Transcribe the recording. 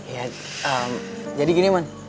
ya jadi gini man